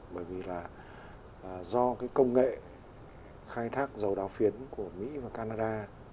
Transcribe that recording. bởi vì là do cái công nghệ khai thác dầu đao phiến của mỹ và canada